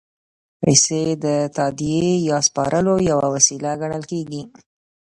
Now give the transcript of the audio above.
پیسې د تادیې یا سپارلو یوه وسیله ګڼل کېږي